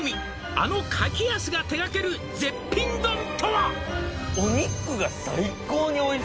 「あの柿安が手がける絶品丼とは？」